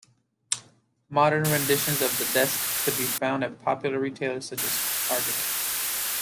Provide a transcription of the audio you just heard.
Modern renditions of the desk could be found at popular retailers such as Target.